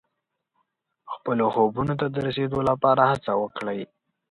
خپلو خوبونو ته د رسېدو لپاره هڅه وکړئ.